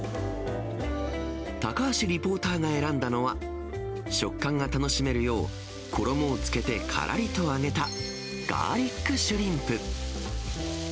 高橋リポーターが選んだのは、食感が楽しめるよう、衣をつけてからりと揚げたガーリックシュリンプ。